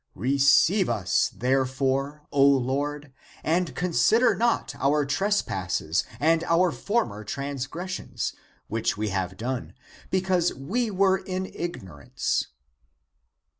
Receive us, therefore, O Lord, and con sider not our trespasses and our former transgres sions, wdiich we have done, because we were in ig norance!